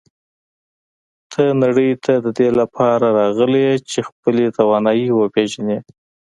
ته نړۍ ته د دې لپاره راغلی یې چې خپلې توانایی وپېژنې.